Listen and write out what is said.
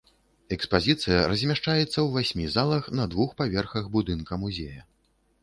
Экспазіцыя размяшчаецца ў васьмі залах на двух паверхах будынка музея.